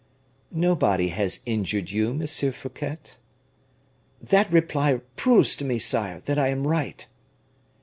"Nobody has injured you, Monsieur Fouquet." "That reply proves to me, sire, that I am right."